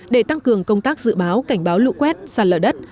để tăng cường công tác dự báo cảnh báo lũ quét sạt lở đất